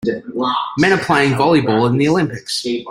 Men are playing volleyball in the olympics.